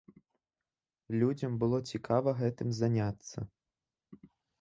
Людзям было цікава гэтым заняцца.